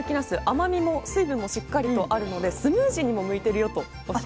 甘みも水分もしっかりとあるのでスムージーにも向いてるよとおっしゃっていました。